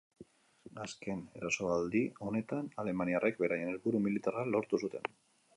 Azken erasoaldi honetan, alemaniarrek beraien helburu militarra lortu zuten.